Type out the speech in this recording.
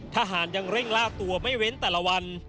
ทหารยังเร่งล่าตัวไม่เว้นแต่ละวัน